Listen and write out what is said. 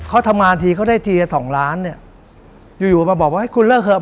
เขาทำงานทีเขาได้ทีละสองล้านเนี่ยอยู่อยู่มาบอกว่าให้คุณเลิกเถอะ